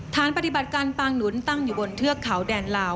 ฐานปฏิบัติการปางหนุนตั้งอยู่บนเทือกเขาแดนลาว